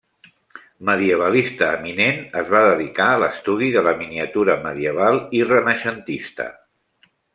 Medievalista eminent, es va dedicar a l'estudi de la miniatura medieval i renaixentista.